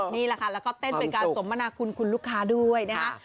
นี่แหละค่ะแล้วก็เต้นเป็นการสมบัติลูกค้าด้วยนะฮะ